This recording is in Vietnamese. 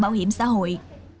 bảo hiểm xã hội